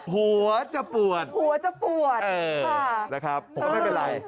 หัวจะปวดนะครับผมก็ไม่เป็นไร